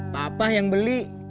papa yang beli